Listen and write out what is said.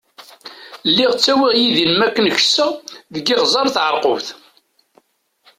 Lliɣ ttawiɣ yid-i n makken kesseɣ deg Iɣzeṛ Tɛerqubt.